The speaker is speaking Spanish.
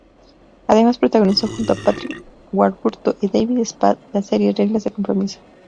Además, protagonizó junto a Patrick Warburton y David Spade la serie Reglas de Compromiso.